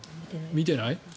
見てない？